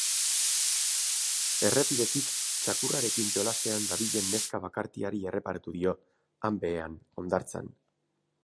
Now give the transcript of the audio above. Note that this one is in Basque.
Errepidetik txakurrarekin jolasean dabilen neska bakartiari erreparatu dio, han behean, hondartzan.